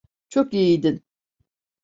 Çok iyiydin.